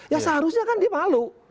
ya seharusnya kan dia malu